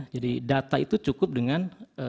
jadi data itu cukup dengan